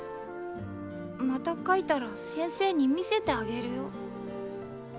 また描いたら先生に見せてあげるよ。